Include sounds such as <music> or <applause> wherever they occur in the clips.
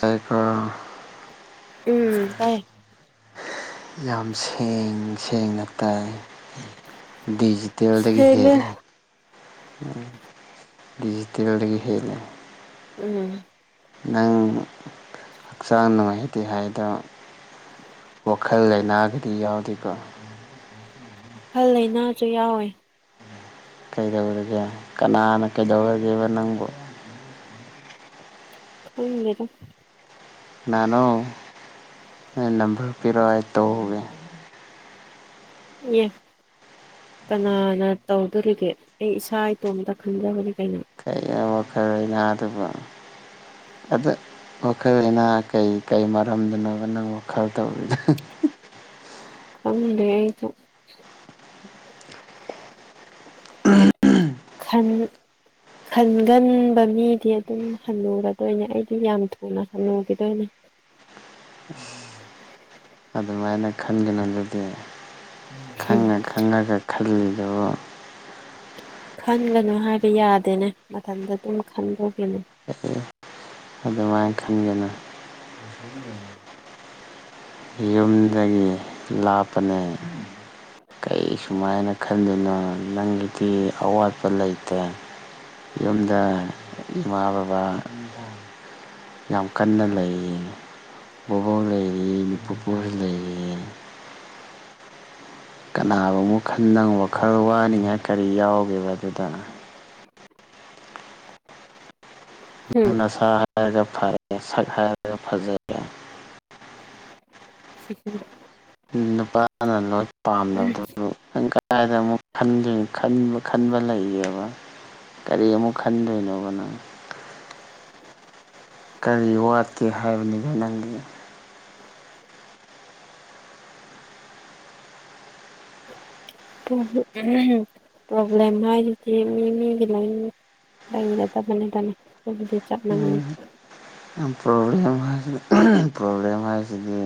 ꯇꯥꯏꯀꯣ ꯎꯝ ꯇꯥꯏ ꯌꯥꯝ ꯁꯦꯡ ꯁꯦꯡꯅ ꯇꯥꯏ ꯗꯤꯖꯤ ꯇꯦꯜꯗꯒꯤ ꯁꯦꯡꯉꯦ ꯍꯦꯜꯂꯦ ꯗꯤꯖꯤꯇꯦꯜꯗꯒꯤ ꯍꯦꯜꯂꯦ ꯎꯝ ꯅꯪ ꯍꯛꯆꯥꯟ ꯅꯨꯡꯉꯥꯏꯇꯦ ꯍꯥꯏꯗꯣ ꯋꯥꯈꯜ ꯂꯩꯅꯥꯒꯗꯤ ꯌꯥꯎꯗꯦꯀꯣ ꯋꯥꯈꯜ ꯂꯩꯅꯥꯁꯧ ꯌꯥꯎꯋꯦ ꯀꯩꯗꯧꯔꯒꯦ ꯀꯅꯥꯅ ꯀꯩꯗꯧꯔꯒꯦꯕ ꯅꯪꯕꯨ ꯈꯪꯗꯦꯗꯥ ꯀꯅꯥꯅꯣ ꯑꯩ ꯅꯝꯕꯔ ꯄꯤꯔꯛꯑꯣ ꯑꯩ ꯇꯧꯔꯨꯒꯦ ꯌꯦ ꯀꯅꯥꯅ ꯇꯧꯗꯣꯔꯤꯒꯦ ꯑꯩ ꯏꯁꯥ ꯏꯇꯣꯝꯇ ꯈꯟꯖꯕꯅꯤ ꯀꯩꯅꯣ ꯀꯩꯅꯣ ꯋꯥꯈꯜ ꯌꯥꯗꯕ ꯑꯗꯣ ꯋꯥꯈꯜ ꯂꯩꯅꯥ ꯀꯩꯀꯩ ꯃꯔꯝꯗꯅꯣꯕ ꯅꯪ ꯋꯥꯈꯜ ꯇꯧꯔꯤꯗꯣ ꯍꯥ ꯈꯪꯗ꯭ꯔꯦ ꯑꯩꯖꯨ ꯈꯟ ꯈꯟꯒꯟꯕ ꯃꯤꯗꯤ ꯑꯗꯨꯝ ꯍꯟꯅꯨꯔꯗꯣꯏꯅꯦ ꯑꯩꯗꯤ ꯌꯥꯝ ꯊꯨꯅ ꯍꯟꯅꯨꯒꯤꯗꯣꯏꯅꯦ ꯑꯥ ꯑꯗꯨꯃꯥꯏꯅ ꯈꯟꯒꯅꯣ ꯑꯗꯨꯗꯤ ꯎꯝ ꯈꯪꯉ ꯈꯪꯉꯒ ꯈꯜꯂꯨ ꯈꯟꯒꯅꯨ ꯍꯥꯏꯕ ꯌꯥꯗꯦꯅꯦ ꯃꯊꯟꯇ ꯑꯗꯨꯝ ꯈꯟꯕꯒꯤꯅꯦ ꯑꯗꯨꯃꯥꯏꯅ ꯈꯟꯒꯅꯨ <inaudible> ꯌꯨꯝꯗꯒꯤ ꯂꯥꯞꯄꯅꯦ ꯀꯩ ꯁꯨꯃꯥꯏꯅ ꯈꯟꯂꯨꯅꯣ ꯅꯪꯒꯤꯗꯤ ꯑꯋꯥꯠꯄ ꯂꯩꯇꯦ ꯌꯨꯝꯗ ꯏꯃꯥ ꯕꯥꯕ ꯌꯥꯝ ꯀꯟꯅ ꯂꯩ ꯕꯨꯕꯣꯛ ꯂꯩꯔꯤ ꯄꯨꯄꯨ ꯍꯣꯏ ꯂꯩꯔꯤ ꯀꯅꯥꯒꯃꯨꯛ ꯈꯟꯗꯅ ꯋꯈꯜ ꯋꯥꯅꯤꯡꯉꯥꯏ ꯀꯔꯤ ꯌꯥꯎꯒꯦꯕ ꯑꯗꯨꯗ ꯎꯝ ꯅꯪ ꯅꯁꯥ ꯍꯥꯏꯔ ꯐꯔꯦ ꯁꯛ ꯍꯥꯏꯔ ꯐꯖꯔꯦ ꯍꯨ ꯍꯨꯝ ꯅꯨꯄꯥꯅ ꯂꯣꯏ ꯄꯥꯝꯅꯕꯕꯨ ꯅꯪ ꯀꯥꯏꯗ ꯑꯃꯨꯛ ꯈꯟꯗꯨ ꯈꯟꯕ ꯈꯟꯕ ꯂꯩꯌꯦꯕ ꯀꯔꯤ ꯑꯃꯨꯛ ꯈꯟꯗꯣꯏꯅꯣꯕ ꯅꯪ ꯀꯔꯤ ꯋꯥꯠꯀꯦ ꯍꯥꯏꯕꯅꯤꯗ ꯅꯪꯒꯤ ꯄ꯭ꯔꯣ ꯄ꯭ꯔꯣꯕ꯭ꯂꯦꯝ ꯍꯥꯏꯗꯨꯗꯤ ꯃꯤꯃꯤꯒꯤ ꯂꯩ <unintelligible> ꯍꯨꯝ ꯄ꯭ꯔꯣꯕ꯭ꯂꯦꯜ ꯄ꯭ꯔꯣꯕ꯭ꯂꯦꯜ ꯍꯥꯏꯁꯤꯗꯤ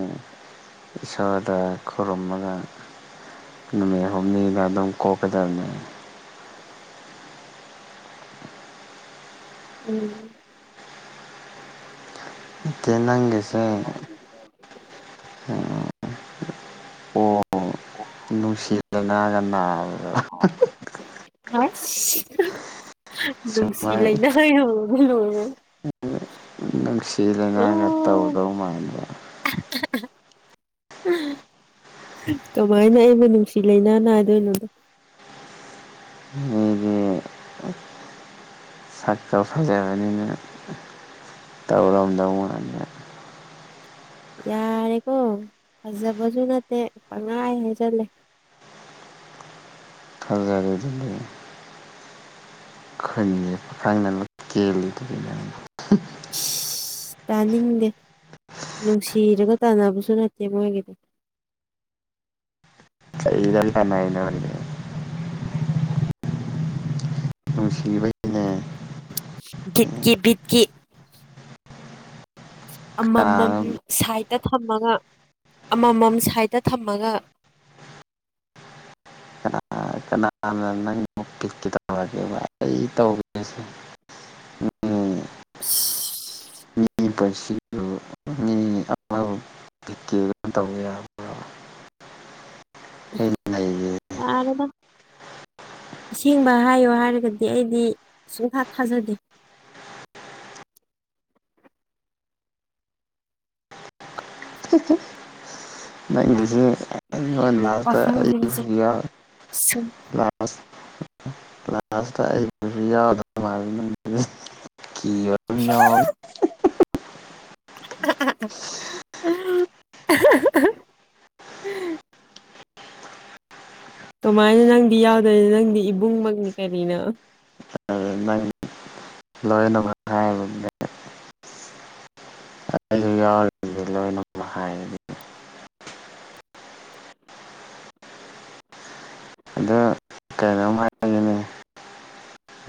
ꯏꯁꯣꯔꯗ ꯈꯨꯔꯨꯝꯃꯒ ꯅꯨꯃꯤꯠ ꯍꯨꯝꯅꯤꯗ ꯑꯗꯨꯝ ꯀꯣꯛꯀꯗꯕꯅꯤ ꯎꯝ ꯅꯠꯇꯦ ꯅꯪꯒꯤꯁꯦ ꯎꯝ ꯑꯣ ꯅꯨꯡꯁꯤ ꯂꯩꯅꯒ ꯅꯔꯕꯣ ꯑꯁ ꯅꯨꯡꯁꯤ ꯁꯨꯃꯥꯏ ꯂꯩꯅ ꯌꯧꯔꯕ ꯂꯣꯏꯔꯦꯍꯦ ꯅꯨꯡꯁꯤ ꯂꯥꯏꯅꯥꯒ ꯑꯣ ꯇꯧꯗꯧ ꯃꯥꯟꯕ ꯀꯃꯥꯏꯅ ꯑꯩꯕꯨ ꯅꯨꯡꯁꯤ ꯂꯩꯅ ꯅꯥꯏꯗꯣꯏꯅꯣ ꯎꯝ ꯁꯛꯀ ꯐꯖꯕꯅꯤꯅ ꯇꯧꯔꯝꯗꯧ ꯃꯥꯟꯕ ꯌꯥꯔꯦꯀꯣ ꯐꯖꯕꯁꯨ ꯅꯠꯇꯦ ꯄꯍꯥꯏ ꯍꯥꯏꯖꯤꯜꯂꯦ ꯐꯖꯥꯔꯤꯗꯨꯗꯤ ꯈꯨꯟꯒꯤ ꯄꯈꯪꯅ ꯂꯣꯢ ꯀꯦꯜꯂꯤꯗꯨꯗꯤ ꯏꯁ ꯇꯥꯅꯤꯡꯗꯦ ꯅꯨꯡꯁꯤꯔꯒ ꯀꯟꯅꯕꯁꯨ ꯅꯠꯇꯦ ꯃꯣꯏꯒꯤꯗꯨꯗꯤ <unintelligible> ꯅꯨꯡꯁꯤꯕꯩ <unintelligible> ꯑꯃꯃꯝ ꯀꯅꯥꯅꯣ ꯁꯥꯏꯠꯇ ꯊꯝꯃꯒ ꯑꯃꯃꯝ ꯁꯥꯏꯠꯇ ꯊꯝꯃꯒ ꯀꯅꯥ ꯀꯅꯥꯅ ꯅꯪꯕꯨ ꯄꯤꯛ ꯇꯧꯔꯒꯦꯕ ꯑꯩ ꯇꯧꯒꯦꯁꯦ ꯃꯤ <inaudible> <unintelligible> <inaudible> <unintelligible> ꯑꯩ ꯂꯩꯌꯦ ꯌꯥꯔꯦꯗ ꯑꯁꯦꯡꯕ ꯍꯥꯏꯌꯣ ꯍꯥꯏꯔꯒꯗꯤ ꯑꯩꯗꯤ ꯁꯨꯡꯊꯥ ꯊꯥꯖꯗꯦ ꯅꯪꯒꯤꯁꯦ ꯄꯥꯈꯪꯁꯤꯡꯁꯦ ꯁꯨꯝ <unintelligible> <inaudible> ꯀꯤꯕꯃ ꯌꯥꯎꯋꯤꯍꯦ <unintelligible> <unintelligible> ꯀꯃꯥꯏꯅ ꯅꯪꯗꯤ ꯌꯥꯎꯗꯣꯏꯅ ꯅꯪꯗꯤ ꯏꯕꯨꯡꯃꯛꯅꯤ ꯀꯔꯤꯅꯣ ꯑꯗꯨ ꯅꯪ ꯂꯣꯏꯅ <inaudible> <inaudible> ꯍꯥꯏ <unintelligible> ꯑꯗꯣ ꯀꯩꯅꯣꯝ ꯍꯥꯏꯒꯦꯅꯦ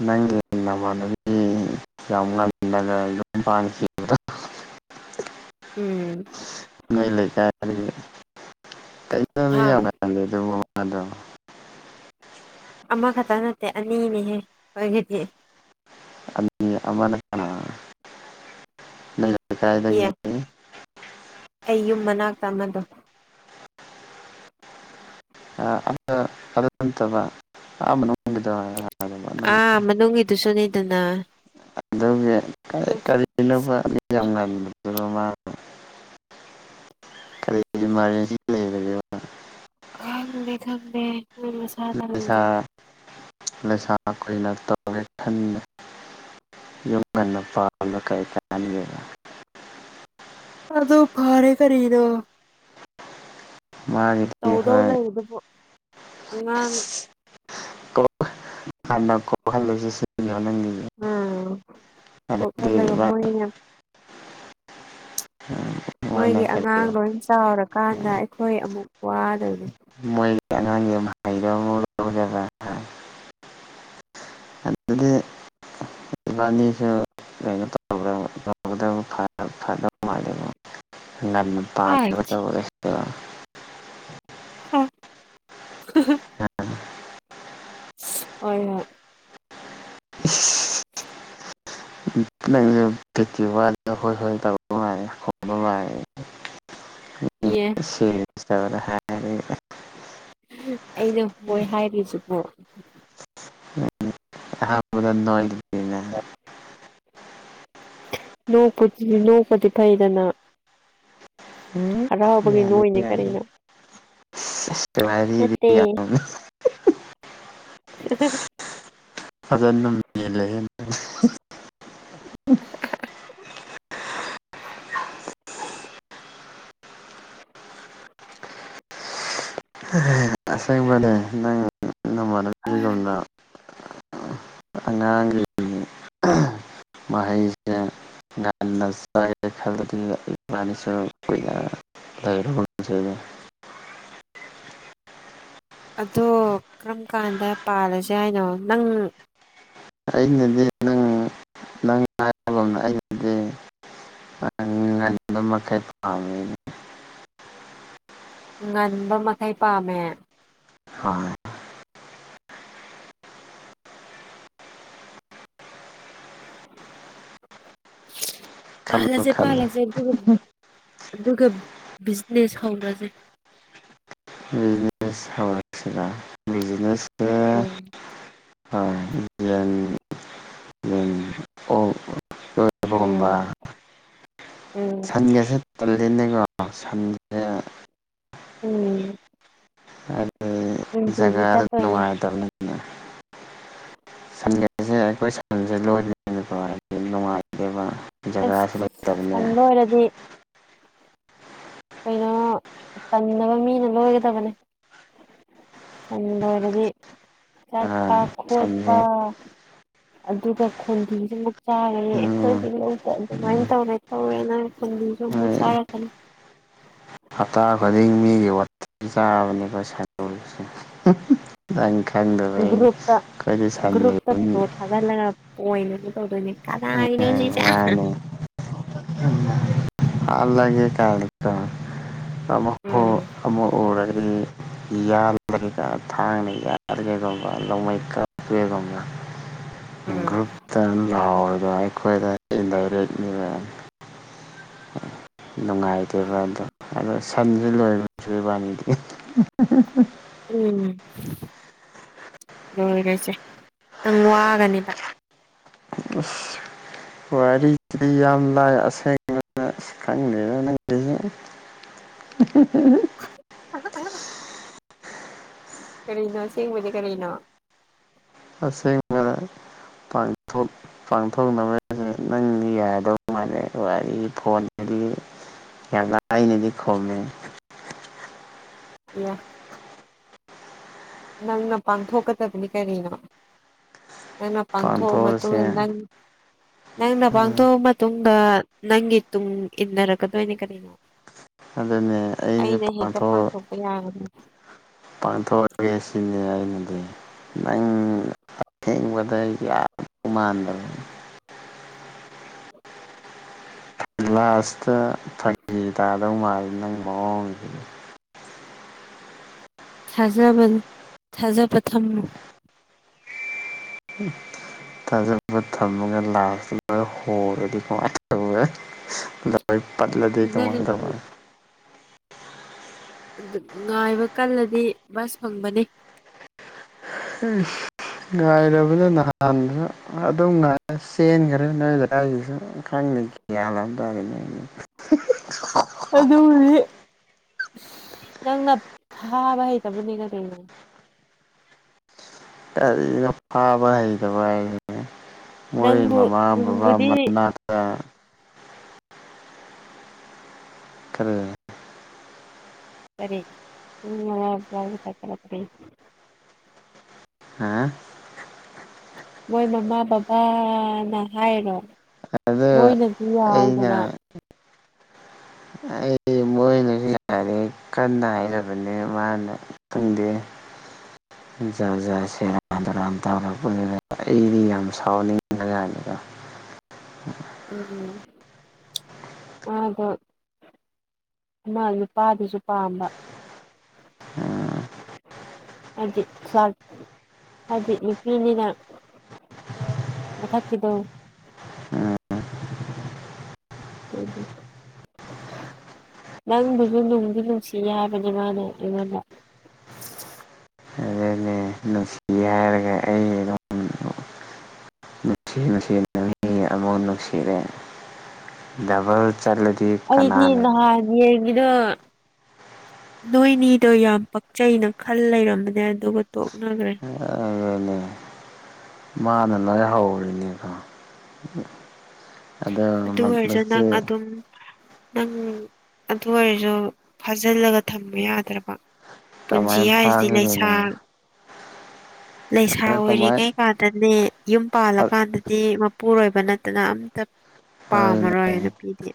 ꯅꯪꯒꯤ ꯅꯃꯥꯟꯅꯕꯤ ꯌꯥꯝ ꯉꯜꯅ ꯌꯨꯝ ꯄꯥꯡꯈꯤ ꯎꯝ ꯨꯅꯣꯏ ꯂꯩꯀꯥꯏꯗꯒꯤ <inaudible> <unintelligible> ꯃꯥꯗꯣ ꯑꯃꯈꯛꯇ ꯅꯠꯇꯦ ꯑꯅꯤꯅꯤꯍꯦ ꯑꯩꯈꯣꯏꯒꯤꯗꯤ ꯑꯅꯤ ꯑꯃꯅ ꯀꯅꯥ ꯅꯣꯏ ꯂꯩ ꯀꯥꯏꯗꯒꯤ ꯑꯦ ꯑꯩ ꯌꯨꯝ ꯃꯅꯥꯛꯇ ꯑꯃꯗꯣ ꯑ ꯑꯃ ꯑꯗꯨ ꯅꯠꯇꯕ ꯃꯅꯨꯡꯒꯤꯗꯣ ꯍꯥꯏꯕ ꯑꯥ ꯃꯅꯨꯡꯒꯤꯗꯨꯁꯨꯅꯤꯗꯅ ꯑꯗꯨꯒꯤ ꯀꯔꯤ ꯀꯔꯤꯅꯣꯕ ꯃꯤ ꯌꯥꯝ ꯉꯟꯕꯗꯨꯗ ꯃꯥ ꯀꯔꯤꯒꯤ ꯃꯥ ꯈꯪꯗꯦ ꯈꯪꯗꯦ ꯍꯣꯏꯁ ꯂꯩꯁꯥ ꯂꯩꯁꯥ ꯀꯨꯏꯅ ꯇꯧꯒꯦ ꯈꯟꯅ ꯌꯨꯝ ꯉꯟꯅ ꯄꯥ ꯀꯩ ꯀꯥꯟꯅꯒꯦꯕ ꯑꯗ ꯐꯥꯔꯦ ꯀꯔꯤꯅꯣ ꯃꯥꯒꯤ ꯇꯧꯗꯧ ꯂꯩ ꯑꯗꯨꯕꯨ ꯑꯉꯥꯡ ꯍꯅ ꯀꯣ ꯍꯜꯂꯁꯦ ꯁꯤꯅꯦꯕꯥ ꯅꯪꯒꯤꯖꯤ ꯎꯝ ꯀꯣꯈꯟꯂꯒꯥ ꯃꯣꯏꯅꯥ ꯎꯝ ꯃꯣꯏꯒꯤ ꯑꯉꯥꯡ ꯂꯣꯏ ꯆꯥꯎꯔꯀꯥꯟꯗ ꯑꯩꯈꯣꯏ ꯑꯃꯨꯛ ꯋꯥꯗꯣꯏꯅꯦ ꯃꯣꯏꯒꯤ ꯑꯉꯥꯡ ꯑꯃ ꯍꯥꯏꯔ ꯑꯗꯨꯗꯤ ꯏꯕꯥꯅꯤꯁꯨ ꯀꯩꯅꯣ ꯇꯧ꯭ꯔꯥꯕ <unintelligible> ꯐꯕ ꯃꯥ ꯉꯟꯅ ꯍꯣꯏ ꯄꯥꯜꯕꯥ꫰ꯇꯧꯔ꯭ꯁꯤꯕꯥ ꯍ <unintelligible> ꯍꯣꯏ ꯍꯣꯏ <unintelligible> <inaudible> <unintelligible> ꯕꯤꯇꯤ ꯋꯥꯗ ꯑꯩꯈꯣꯏ ꯍꯣꯏ ꯇꯧꯕꯥ ꯃꯥꯜꯂꯤ ꯈꯣꯡꯕ ꯃꯥꯂꯤ ꯌꯦ ꯁꯤ ꯁꯇ <unintelligible> ꯑ ꯑꯩꯅ ꯍꯣꯏ ꯍꯥꯏꯔꯤꯁꯤꯕꯣ ꯎꯝ ꯑꯥꯍꯥꯟꯕꯗꯥ ꯅꯣꯏꯒꯤꯅꯦ ꯅꯣꯛꯄꯨꯗꯤ ꯅꯣꯛꯄꯗꯤ ꯐꯩꯗꯅ ꯎꯝ ꯍꯔꯥꯎꯕꯒꯤ ꯅꯣꯏꯅꯦ ꯌꯥꯗꯦ ꯀꯔꯤꯅꯣ ꯌꯥꯗꯦ ꯋꯔꯤꯗꯤ ꯅꯠꯇꯦ ꯌꯥꯝ <unintelligible> ꯐꯖ ꯅꯨꯡꯃꯤ ꯂꯩꯌꯦ <unintelligible> ꯑꯁꯦꯡꯕꯅꯦ ꯅꯪ ꯅꯃꯥꯟꯅꯕꯤꯒꯨꯝꯅꯥ <inaudible> ꯑꯉꯥꯡꯒꯤ ꯃꯍꯩꯁꯦ ꯉꯥꯁꯥꯏ ꯈꯟꯂꯥꯗꯤ ꯏꯕꯅꯤꯁꯨ ꯀꯨꯏꯅꯥ ꯂꯩꯔꯒꯨꯃꯁꯦꯅꯦ ꯑꯗꯣ ꯀꯔꯝ ꯀꯥꯟꯗ ꯄꯥꯜꯂꯁꯦ ꯍꯥꯏꯅꯣ ꯅꯪ ꯑꯩꯅꯗꯤ ꯅꯪ ꯅꯪ ꯍꯥꯏꯕꯒꯨꯝꯅ ꯉꯟꯕꯥ ꯃꯈꯩ ꯄꯥꯝꯃꯤ ꯉꯟꯕ ꯃꯈꯩ ꯄꯥꯝꯃꯦ ꯍꯣꯏ ꯈꯜꯂꯣ ꯄꯥꯂꯁꯦ ꯈꯜꯂꯣ ꯄꯥꯂꯁꯦ ꯑꯗꯨꯒ ꯑꯗꯨꯒ ꯕꯤꯖꯤꯅꯦꯁ ꯍꯧꯔꯥꯁꯩ ꯕꯤꯖꯤꯅꯦꯁ ꯍꯧꯔꯁꯤꯔꯥ ꯕꯤꯖꯤꯅꯦꯁ ꯁꯦ ꯎꯝ ꯍꯣꯏ <unintelligible> ꯌꯦꯟ ꯑꯣꯛ ꯎꯝ <unintelligible> ꯎꯝ ꯁꯟꯒꯁꯦ ꯇꯂꯅꯦꯀꯣ ꯁꯟꯁꯦ ꯎꯝ ꯑꯗꯨ ꯅꯨꯡꯇꯤꯒꯤ ꯖꯒꯥꯗꯨ ꯆꯠꯇꯣꯏꯅꯦ ꯅꯨꯡꯉꯥꯏꯇꯕꯅꯤ ꯁꯟꯒꯁꯦ ꯑꯩꯈꯣꯏ ꯁꯟꯁꯦ ꯂꯣꯏꯗ ꯅꯨꯡꯉꯥꯏ <unintelligible> ꯑꯗꯩꯩ ꯑꯃꯥ ꯖꯒꯥꯁꯨ ꯂꯩꯇꯝꯅꯦ ꯁꯣꯏꯔꯗꯤ ꯀꯩꯅꯣ ꯇꯟꯗꯕ ꯃꯤꯅ ꯂꯣꯏꯒꯗꯕꯅꯦ ꯁꯟ ꯂꯣꯏꯔꯗꯤ ꯑꯥ ꯆꯠꯄ ꯈꯣꯠꯄ ꯁꯟꯁꯦ ꯑꯗꯨꯒ ꯈꯨꯟꯗꯤꯁꯨꯃꯨꯛ ꯆꯥꯔꯅꯤ ꯎꯝ ꯑꯩꯈꯣꯏꯒꯤ ꯂꯧꯗ ꯑꯗꯨꯃꯥꯏꯅ ꯇꯧꯔꯦ ꯇꯧꯔꯦꯅ ꯈꯨꯟꯗꯤꯁꯨ ꯑꯃꯨꯛ ꯍꯣꯏ ꯆꯥꯔꯛꯀꯅꯤ ꯍꯞꯇꯥ ꯈꯨꯗꯤꯡ ꯃꯤꯒꯤ ꯋꯥꯊꯤ ꯆꯥꯕꯅꯦꯕ ꯁꯟꯖꫭꯏꯁꯦ ꯅꯪꯅ ꯈꯪꯗꯕꯒꯤꯅꯦ ꯑꯩꯈꫭꯏꯗꯤ ꯁꯥꯟ ꯂꫭꯏ ꯄꯣ ꯊꯥꯒꯠꯂꯒ ꯄꫭꯏꯟꯗꯅꯦ ꯇꯧꯗꯣꯏꯅꯦ ꯎꯝ ꯀꯅꯥꯒꯤꯅꯣꯁꯤꯁꯦ ꯅꯪꯅ ꯍꯥꯏꯌꯦ ꯍꯥꯠꯂꯥꯒꯦ ꯀꯥꯟꯅꯀꫭ ꯑꯃꯨꯛ ꯍꫭ ꯎꯝ ꯑꯃꯨꯛ ꯎꯔꯒꯗꯤ ꯌꯥꯜꯂꯒꯦ ꯀꯥ ꯊꯥꯡꯅ ꯌꯥꯜꯂꯒꯦ ꯈꯪꯕ꯭ꯔꯥ ꯅꫭꯡꯃꯩ ꯀꯥꯞꯄꯦ ꯈꯪꯕ꯭ꯔꯥ <inaudible> ꯒ꯭ꯔꯨꯞꯇ ꯂꯥꯎꯔꯒ ꯑꯩꯈꯣꯏꯗ ꯏꯟꯗꯔꯦꯠꯅꯦꯕ ꯅꯨꯡꯉꯥꯏꯇꯦꯕ ꯑꯗꯣ ꯑꯗꯥ ꯁꯟꯁꯦ ꯂꯣꯏꯔꯁꯨ ꯏꯕꯥꯅꯤꯗꯤ ꯎꯝ ꯂꯣꯏꯔꯣꯏꯁꯦ ꯅꯪ ꯋꯥꯒꯅꯦꯕ ꯑꯁ ꯋꯥꯔꯤꯁꯤꯗꯤ ꯌꯥꯝ ꯂꯥꯏ ꯑꯁꯦꯡꯕ ꯈꯪꯗꯦꯗ ꯅꯪꯒꯤꯁꯦ <inaudible> <inaudible> ꯀꯔꯤꯅꯣ ꯁꯦꯡꯕꯗꯤ ꯀꯔꯤꯅꯣ ꯑꯁꯦꯡ ꯄꯥꯡꯊꯣꯡ ꯄꯥꯡꯊꯣꯛꯅꯕ ꯍꯥꯏꯁꯦ ꯅꯪꯗꯤ ꯌꯥꯗꯧ ꯃꯥꯜꯂꯦ ꯋꯥꯔꯤ ꯐꯣꯟꯁꯤꯗꯤ ꯌꯥꯝ ꯂꯥꯏꯅꯗꯤ ꯈꯨꯝꯃꯦ ꯌꯥ ꯅꯪꯅ ꯄꯥꯡꯊꯣꯛꯀꯗꯕꯅꯤ ꯀꯔꯤꯅꯣ ꯅꯪꯅ ꯄꯥꯡꯊꯣꯛꯑ ꯄꯥꯡꯊꯣꯛꯑꯁꯦ ꯃꯇꯨꯡꯗ ꯅꯪ ꯅꯪꯅ ꯎꯝ ꯄꯥꯡꯊꯣꯛꯑ ꯃꯠ ꯇꯨꯡꯗ ꯅꯪꯒꯤ ꯇꯨꯡ ꯏꯟꯅꯔꯛꯀꯗꯣꯏꯅꯦ ꯀꯔꯤꯅꯣ ꯑꯗꯨꯅꯦ ꯑꯩꯁꯦ ꯑꯩꯅ ꯍꯦꯛꯇ ꯄꯥꯡꯊꯣꯛꯑ ꯄꯥꯡꯊꯣꯛꯄ ꯌꯥꯒꯗ꯭ꯔꯥ ꯄꯥꯡꯊꯣꯛꯑꯒꯦ ꯁꯤꯅꯦ ꯑꯩꯅꯗꯤ ꯅꯪ ꯑꯊꯦꯡꯕꯗ ꯌꯥꯗꯧ ꯃꯥꯟꯗꯕ ꯂꯥꯁ꯭ꯠꯇ ꯐꯥꯒꯤ ꯇꯥꯗꯧ ꯃꯥꯜ ꯅꯪ ꯃꯑꯣꯡꯁꯤ ꯊꯥꯖꯕꯅꯤ ꯊꯥꯖꯕ ꯊꯝꯃꯨ <inaudible> ꯊꯥꯖꯕ ꯊꯝꯃꯒꯦ ꯂꯥꯁ꯭ꯠꯇ ꯂꫭꯏ ꯍꫭꯔꯥꯗꯤ ꯀꯃꯥꯏ ꯇꯧꯅꯤ ꯑꯩ ꯄꯠꯂꯗꯤ ꯀꯃꯥꯏ ꯊꯥꯖꯔꯗꯤ ꯇꯧꯕ꯫ ꯑꯗꯨ ꯉꯥꯏꯕ ꯀꯜꯂꯗꯤ ꯕꯁ ꯐꯪꯕꯅꯤ <inaudible> ꯉꯥꯏꯔꯕꯅ ꯅꯍꯥꯟꯁꯨ ꯑꯗꯨꯝ ꯉꯥꯏ ꯆꯦꯟꯈ꯭ꯔꯦ ꯅꯣꯏ ꯂꯩꯀꯥꯏꯒꯤꯁꯨ ꯈꯪꯗꯦ ꯒꯌ꯭ꯥꯟ ꯑꯃ ꯇꯥꯗꯦꯅꯦ <inaudible> ꯑꯗꯨꯕꯨꯗꯤ ꯅꯪꯅ ꯐꯥꯕ ꯍꯩꯇꯕꯅꯤꯅ ꯀꯩꯅꯣ ꯇꯥꯟꯂꫭ ꯐꯥꯕ ꯍꯩꯇꯕ ꯍꯥꯏꯅꯦ ꯃꯣꯏ ꯅꯪꯕꯨ ꯃꯃꯥ ꯕꯕꯥ ꯅꯨꯡꯕꯨꯗꯤ ꯃꯅꯥꯛ ꯇꯥ ꯈꯔꯥ ꯀꯔꯤ ꯄꯨꯡ ꯃꯉꯥ ꯑꯗꯨꯋꯥꯏꯗ ꯅꯨꯡꯁꯥ ꯀꯜꯂꯛꯄꯩ ꯍꯥ ꯃꯣꯏ ꯃꯃꯥ ꯕꯕꯥꯅ ꯍꯥꯏꯔꯣ ꯑꯗꯨ ꯃꯣꯏꯅꯁꯨ ꯌꯥꯏꯗꯅ ꯑꯦ ꯃꯣꯏ ꯂꯩꯔꯤ <unintelligible> ꯑꯩ ꯀꯟꯅ ꯍꯥꯏꯔꯕꯅꯦ ꯃꯥꯅ ꯈꯪꯗꯦ <inaudible> ꯖꯥꯠ ꯖꯥꯠ ꯁꯦꯔꯥꯟ ꯇꯨꯔꯥꯟ ꯇꯧꯔꯛꯄꯗꯨꯗ ꯑꯩꯗꯤ ꯌꯥꯝ ꯁꯥꯎꯅꯤꯡꯕ ꯌꯥꯗꯦꯗ ꯎꯝ ꯃꯥꯗꯣ ꯑꯃ ꯅꯨꯄꯥꯗꯨꯁꯨ ꯄꯥꯝꯕ ꯎꯝ ꯍꯥꯏꯗꯤ ꯍꯥꯏꯗꯤ ꯅꯨꯄꯤꯅꯤꯅ ꯃꯊꯥꯛꯒꯤꯗꯣ ꯎ ꯎ <inaudible> ꯅꯪꯕꯨꯁꯨ ꯅꯨꯡꯗꯤ ꯅꯨꯡꯁꯤ ꯌꯥꯕꯅꯦ ꯃꯥꯅ ꯑꯩꯉꯣꯟꯗ ꯑꯗꯨꯅꯦ ꯅꯨꯡꯁꯤ ꯁꯤ ꯍꯥꯏꯔꯒ ꯑꯩ ꯑꯗꯨꯝ ꯅꯨꯡꯁꯤ ꯅꯨꯡꯁꯤꯅ ꯃꯤ ꯑꯃꯨꯛ ꯅꯨꯡꯁꯤꯔꯦ ꯗꯕꯜ ꯆꯠꯂꯗꯤ ꯑꯩꯗꯤ ꯀꯅꯥꯅ ꯅꯍꯥꯟ ꯌꯦꯡꯉꯤꯗꯣ ꯅꯣꯏꯅꯤꯗꯣ ꯌꯥꯝ ꯄꯛꯆꯩꯅ ꯈꯜ ꯂꯩꯔꯝꯕꯅꯦ ꯑꯗꯨꯒ ꯇꯣꯛꯅꯈ꯭ꯔꯦ ꯑꯗꯨꯅꯦ ꯃꯥꯥꯅ ꯂꯣꯢ ꯍꯧꯔꯤꯅꯦꯀꯣ ꯑꯗꯨ ꯑꯣꯏꯔꯁꯨ ꯅꯪ ꯑꯗꯨꯝ ꯅꯪ ꯑꯗꯨ ꯑꯣꯏꯔꯁꯨ ꯐꯥꯖꯤꯜꯂꯒ ꯊꯝꯕ ꯌꯥꯗ꯭ꯔꯕ ꯄꯨꯟꯁꯤ ꯀꯃꯥꯏꯅ ꯍꯥꯏꯁꯤ ꯐꯥꯈꯤꯗꯣꯏꯅꯣ ꯂꯩꯁꯥ ꯂꯩꯁꯥ ꯀꯃꯥꯏ ꯑꯣꯏꯔꯤꯉꯩ ꯀꯥꯟꯗꯅꯦ ꯌꯨꯝ ꯄꯥꯜꯂꯀꯥꯟꯗ ꯗꯤ ꯃꯄꯨꯔꯣꯏꯕ ꯅꯠꯇꯅ ꯑꯝꯇ ꯍꯣꯏꯅꯦ ꯄꯥꯝꯃꯔꯣꯏ ꯅꯨꯄꯤꯗꯤ